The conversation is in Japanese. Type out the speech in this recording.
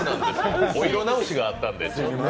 お色直しがあったんで。